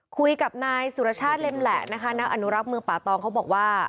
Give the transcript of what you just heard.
คุยกับนายสุรชาติเล็มแหละนะคะนักอนุรักษ์เมืองป่าตองเขาบอกว่า